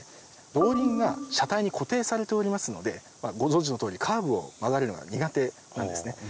動輪が車体に固定されておりますのでご存じの通りカーブを曲がるのが苦手なんですね。